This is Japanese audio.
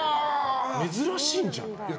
珍しいんじゃない？